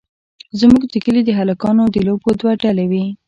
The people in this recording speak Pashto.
زموږ د کلي د هلکانو د لوبو دوه ډلې وې.